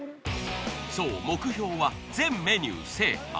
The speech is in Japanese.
そう目標は全メニュー制覇。